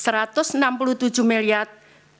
satu ratus enam puluh tujuh rupiah